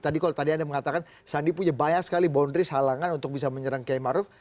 tadi kalau tadi anda mengatakan sandi punya banyak sekali boudris halangan untuk bisa menyerang kiai maruf